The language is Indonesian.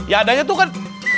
ya adanya tuh kan